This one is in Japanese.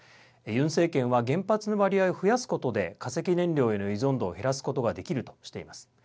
ユン政権は原発の割合を増やすことで化石燃料への依存度を減らすことができるとしています。